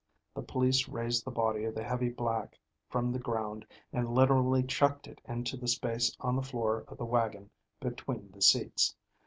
The police raised the body of the heavy black from the ground and literally chucked it into the space on the floor of the wagon between the seats.